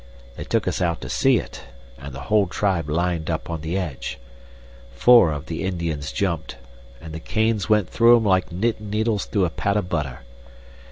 They took us out to see it, and the whole tribe lined up on the edge. Four of the Indians jumped, and the canes went through 'em like knittin' needles through a pat of butter.